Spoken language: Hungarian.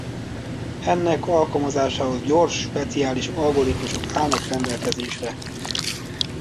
Ennek alkalmazásához gyors speciális algoritmusok állnak rendelkezésre.